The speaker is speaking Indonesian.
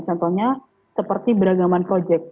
contohnya seperti beragaman proyek